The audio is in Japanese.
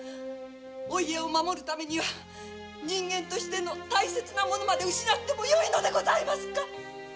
お家を守るためには人間として大切なものまで失ってもよいのでございますか？